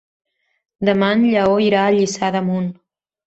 Demà en Lleó irà a Lliçà d'Amunt.